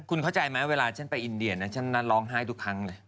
คุณเข้าใจไหมเวลาฉันไปอินเดียนะฉันนั้นร้องไห้ทุกครั้งเลย